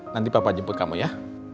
nanti papa jemput kamu ya